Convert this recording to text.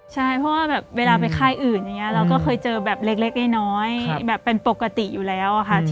ใช่เพราะว่าเวลาไปค่ายอื่นเราก็เคยเจอแบบเล็กน้อยเป็นปกติอยู่แล้วค่ะ